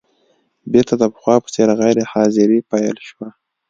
بېرته د پخوا په څېر غیر حاضري پیل شوه.